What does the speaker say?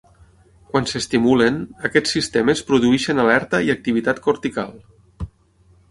Quan s"estimulen, aquests sistemes produeixen alerta i activitat cortical.